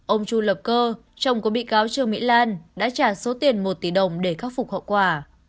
ông chu lập cơ chồng của bị cáo trương mỹ lan đã trả số tiền một tỷ đồng để khắc phục hậu quả